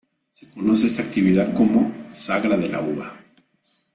Se conoce esta actividad como "Sagra de la uva".